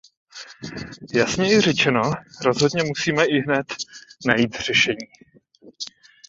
Jasněji řečeno, rozhodně musíme ihned najít řešení.